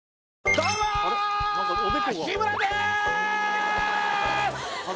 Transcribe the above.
どうも日村でーす！